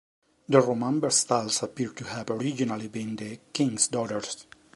The Roman Vestals appear to have originally been the king's daughters.